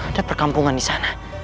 ada perkampungan disana